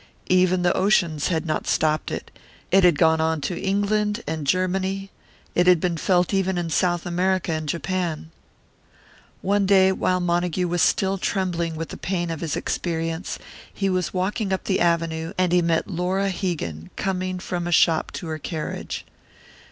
Even the oceans had not stopped it; it had gone on to England and Germany it had been felt even in South America and Japan. One day, while Montague was still trembling with the pain of his experience, he was walking up the Avenue, and he met Laura Hegan coming from a shop to her carriage.